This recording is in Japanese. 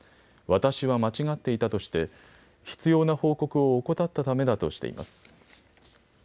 私は間違っていたとして、必要な報告を怠ったためだとしています。